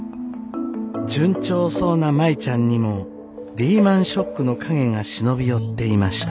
順調そうな舞ちゃんにもリーマンショックの影が忍び寄っていました。